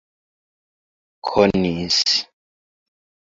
konis